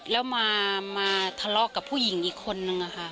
แล้วมาทะเลาะกับผู้หญิงอีกคนนึงค่ะ